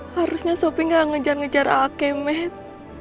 harusnya sopi nggak ngejar ngejar alkemet